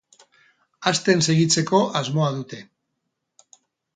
Hazten segitzeko asmoa dute.